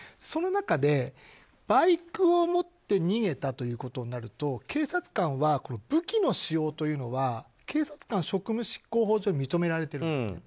その中でバイクを持って逃げたということになると警察官は武器の使用というのは警察官職務執行法上認められています。